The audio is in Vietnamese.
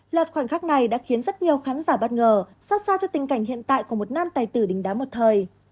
loạt khoảnh khắc này đã khiến rất nhiều khán giả bất ngờ xót xa cho tình cảnh hiện tại của một nam tài tử đình đá một thời